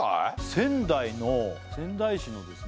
仙台の仙台市のですね